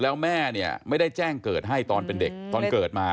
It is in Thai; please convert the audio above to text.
แล้วแม่เนี่ยไม่ได้แจ้งเกิดให้ตอนเกิดมา